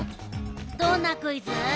どんなクイズ？